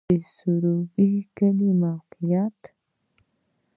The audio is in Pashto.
د سروبی کلی موقعیت